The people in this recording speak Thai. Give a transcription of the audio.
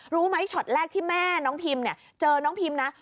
รู้ไหมช็อตแรกที่แม่น้องพิมเจอน้องพิมนะ